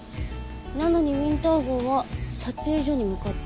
なのにウィンター号は撮影所に向かった。